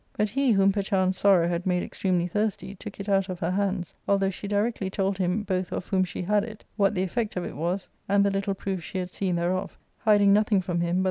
But he, whom perchance sorrow had made extremely thirsty, took it out of her hands, although she directly told him both of whom she had it, what the effect of it was, and the little proof she had seen thereof, hiding nothing from him but that she meant to minister it to another patient.